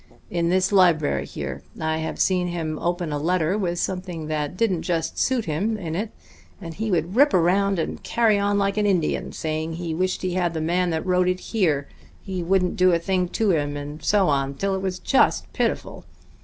In this library here I have seen him open a letter with something that didn't just suit him in it, and he would rip around and carry on like an Indian, saying he wished he had the man that wrote it here, he wouldn't do a thing to him, and so on, till it was just pitiful.